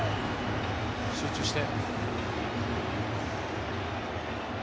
集中して。